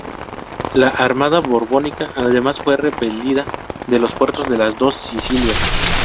La Armada Borbónica además fue repelida de los puertos de las Dos Sicilias.